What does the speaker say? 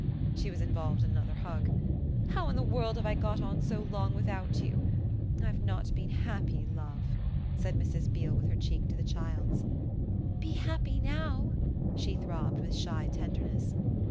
she was involved in another hug. "How in the world have I got on so long without you? I've not been happy, love," said Mrs. Beale with her cheek to the child's. "Be happy now!" she throbbed with shy tenderness.